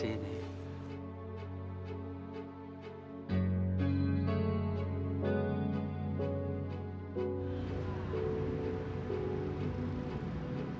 ini adalah tempat yang paling menyenangkan